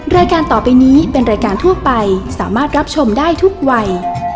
รายการต่อไปนี้เป็นรายการทั่วไปสามารถรับชมได้ทุกวัย